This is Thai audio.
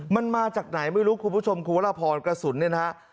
มันมาจากไหนไม่รู้คุณผู้ชมคุณวรพรกระสุนเนี่ยนะฮะ